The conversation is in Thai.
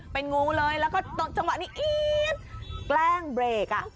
เป็นงูเลยแล้วก็จังหวะนี้อี๊ดแกล้งเบรกอ่ะ